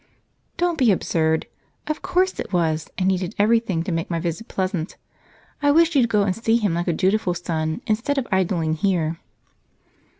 "Don't be absurd. Of course it was, and he did everything to make my visit pleasant. I wish you'd go and see him like a dutiful son, instead of idling here."